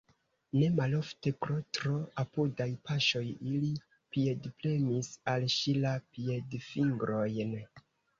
Ne malofte, pro tro apudaj paŝoj, ili piedpremis al ŝi la piedfingrojn.